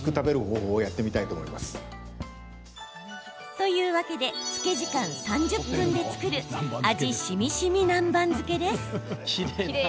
というわけで漬け時間３０分で作る味しみしみ南蛮漬けです。